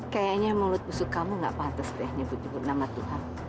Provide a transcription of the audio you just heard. kayaknya mulut musuh kamu gak pantas deh nyebut nyebut nama tuhan